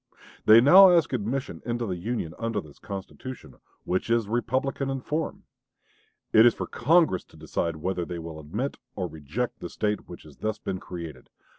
They now ask admission into the Union under this constitution, which is Republican in form. It is for Congress to decide whether they will admit or reject the State which has thus been created.